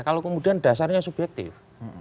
kalau kemudian dasarnya subjektif